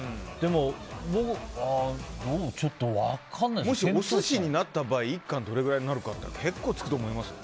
もしお寿司になった場合１貫どれくらいになるかっていうと結構つくと思いますよ。